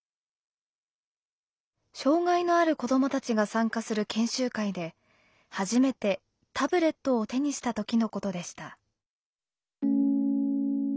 障害のある子どもたちが参加する研修会で初めてタブレットを手にした時のことでした。